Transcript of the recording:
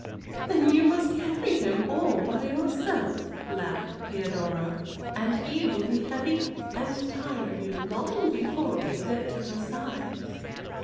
"Then you must carry him all by yourself," laughed Theodora. "And he will be heavy and tire you, long before we get to Versailles."